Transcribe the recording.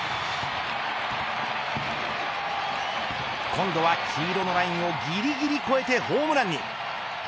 今度は黄色のラインをぎりぎり越えて、ホームランに。